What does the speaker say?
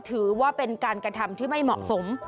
ถือว่าเป็นการกระทำที่ไม่เหมาะสม